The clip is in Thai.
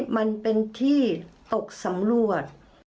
มันเป็นที่ตกสำรวจ